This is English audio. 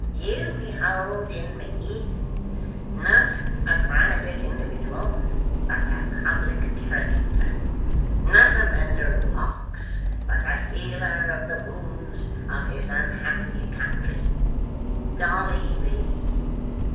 You behold in me, not a private individual, but a public character; not a mender of locks, but a healer of the wounds of his unhappy country. Dolly V.